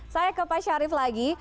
saya ke pak syarif lagi